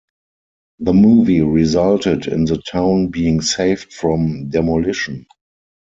The movie resulted in the town being saved from demolition.